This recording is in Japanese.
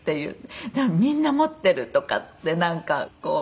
「でもみんな持ってる」とかってなんかこう。